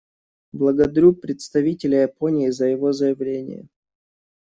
Благодарю представителя Японии за его заявление.